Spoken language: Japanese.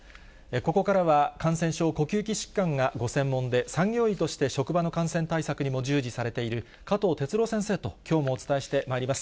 ここからは、感染症、呼吸器疾患がご専門で、産業医として職場の感染対策にも従事されている加藤哲朗先生ときょうもお伝えしてまいります。